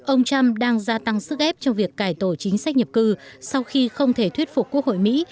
ông trump đang gia tăng sức ép trong việc cải tổ chính sách nhập cư sau khi không thể thuyết phục quốc hội mỹ